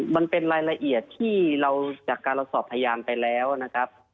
มันเป็นรายละเอียดที่เราจากการเราสอบพยานไปแล้วนะครับ